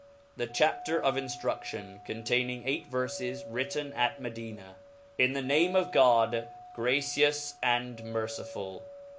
The Chapter of InJlrHEiion^ containing eight Verfes^ Written at Medina^ TN the name of God, gracious and mercifull.